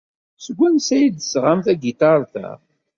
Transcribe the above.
Seg wansi ay d-tesɣam tagiṭart-a?